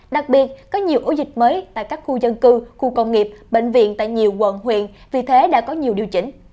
đặc biệt có nhiều ổ dịch mới tại các khu dân cư khu công nghiệp bệnh viện tại nhiều quận huyện vì thế đã có nhiều điều chỉnh